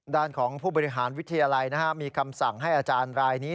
ด้านของผู้บริหารวิทยาลัยมีคำสั่งให้อาจารย์รายนี้